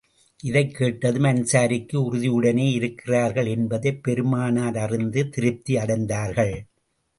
இதைக் கேட்டதும் அன்ஸாரிகளும் உறுதியுடனே இருக்கிறார்கள் என்பதைப் பெருமானார் அறிந்து திருப்தி அடைந்தார்கள்.